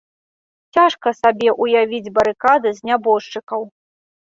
Цяжка сабе ўявіць барыкады з нябожчыкаў.